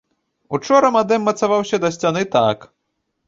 Учора мадэм мацаваўся да сцяны так.